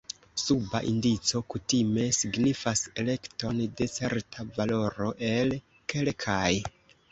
Suba indico kutime signifas elekton de certa valoro el kelkaj.